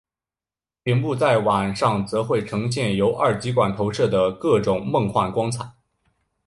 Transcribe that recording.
顶部在晚上则会呈现由二极管投射的各种梦幻光彩。